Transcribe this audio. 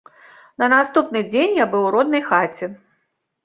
На наступны дзень я быў у роднай хаце.